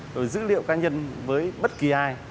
rồi dữ liệu cá nhân với bất kỳ ai